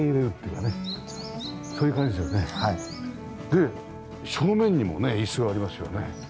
で正面にもね椅子ありますよね。